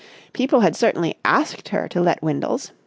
People had certainly asked her to let Windles.